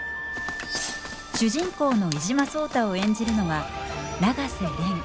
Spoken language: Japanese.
主人公の伊嶋壮多を演じるのは永瀬廉。